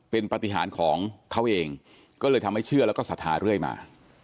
เป็นปฏิหารของเขาเองก็เลยทำให้เชื่อแล้วก็ศรัทธาเรื่อยมา